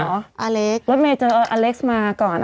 อาเลครถเมศเจออาเลคซ์มาก่อน